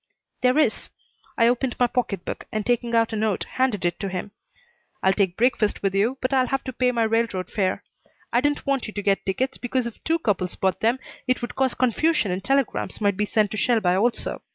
"There is." I opened my pocket book, and, taking out a note, handed it to him. "I'll take breakfast with you but I'll have to pay my railroad fare. I didn't want you to get tickets, because if two couples bought them it would cause confusion and telegrams might be sent to Shelby also.